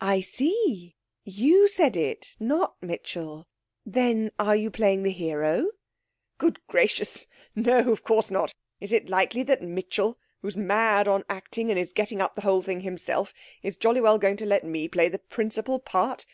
'I see. You said it, not Mitchell. Then are you playing the hero?' 'Good gracious! no of course not. Is it likely that Mitchell, who's mad on acting and is getting up the whole thing himself, is jolly well going to let me play the principal part?